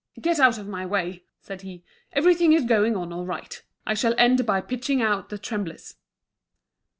"Get out of my way!" said he. "Everything is going on all right. I shall end by pitching out the tremblers."